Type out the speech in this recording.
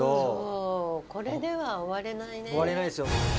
これでは終われないね」